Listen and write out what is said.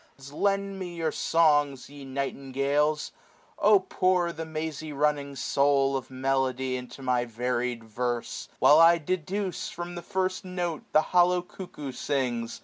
Lend me your soi^, ye nightingales ! oh pour The mazy running soul of melody Into my varied verfe ; while I deduce, 575 From the first note the hollow cuckoo sings.